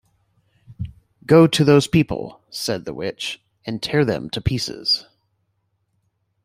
"Go to those people," said the Witch, "and tear them to pieces."